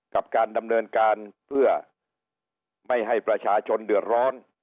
กับการดำเนินการเพื่อไม่ให้ประชาชนเดือดร้อน